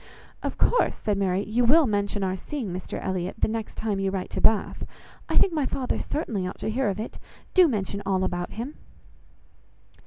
"Of course," said Mary, "you will mention our seeing Mr Elliot, the next time you write to Bath. I think my father certainly ought to hear of it; do mention all about him."